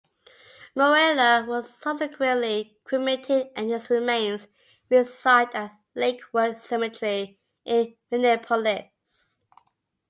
Mueller was subsequently cremated and his remains reside at Lakewood Cemetery in Minneapolis.